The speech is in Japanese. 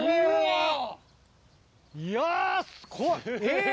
いやすごいえぇ！